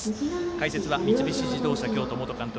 解説は三菱自動車京都元監督